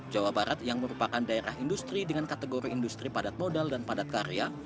jawa barat yang merupakan daerah industri dengan kategori industri padat modal dan padat karya